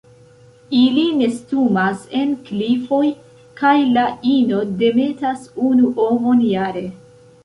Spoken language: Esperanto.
Ili nestumas en klifoj kaj la ino demetas unu ovon jare.